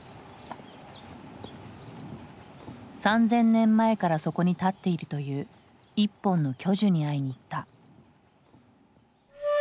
３，０００年前からそこに立っているという１本の巨樹に会いに行った。